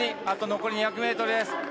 あと残り２００ｍです。